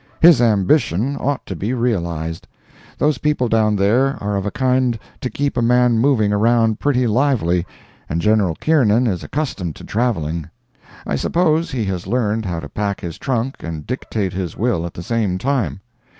His ambition ought to be realized. Those people down there are of a kind to keep a man moving around pretty lively, and General Kiernan is accustomed to travelling. I suppose he has learned how to pack his trunk and dictate his will at the same time.